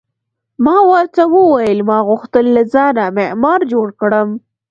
ما ورته وویل: ما غوښتل له ځانه معمار جوړ کړم.